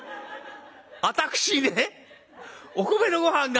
私ねお米のごはんがあるって」。